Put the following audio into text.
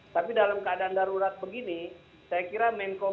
tapi dalam keadaan darurat begini saya kira menko